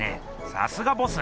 さすがボス。